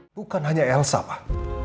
bukan hanya elsa pak